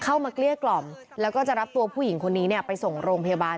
เข้ามาเกลี้ยกคลมแล้วก็จะรับตัวผู้หญิงคนนี้ไปส่งโรงพยาบาล